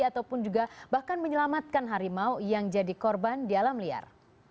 ataupun juga bahkan menyelamatkan harimau yang jadi korban di alam liar